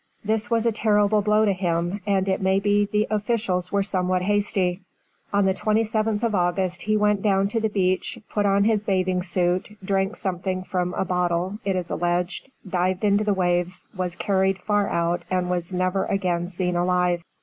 This was a terrible blow to him, and it may be the officials were somewhat hasty. On the 27th of August he went down to the beach, put on his bathing suit, drank something from a bottle (it is alleged), dived into the waves, was carried far out and was never again seen alive.